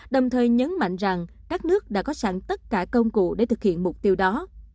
đồng thời nhấn mạnh rằng các nước đã có sẵn tất cả công cụ để thực hiện mục tiêu đó